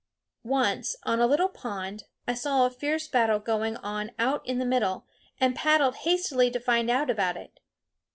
Once, on a little pond, I saw a fierce battle going on out in the middle, and paddled hastily to find out about it.